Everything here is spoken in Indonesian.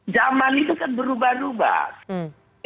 zaman itu kan berubah ubah